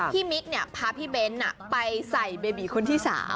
พี่มิ๊กเนี่ยพาพี่เบนท์ไปใส่เบบียคนที่๓